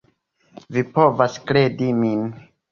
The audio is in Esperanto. Vi povas kredi min.